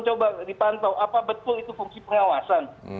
coba dipantau apa betul itu fungsi pengawasan